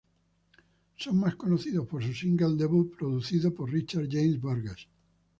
Son más conocidos por su single debut, producido por Richard James Burgess.